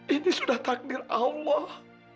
ini sudah takdir allah